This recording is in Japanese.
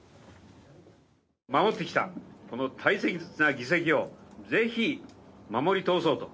守ってきたこの大切な議席をぜひ守り通そうと。